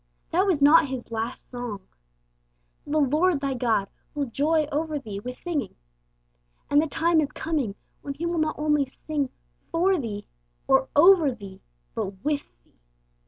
That was not His last song. 'The Lord thy God ... will joy over thee with singing.' And the time is coming when He will not only sing 'for thee' or 'over thee,' but with thee.